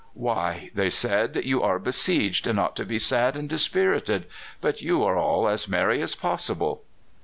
"Why," they said, "you are besieged, and ought to be sad and dispirited; but you are all as merry as possible."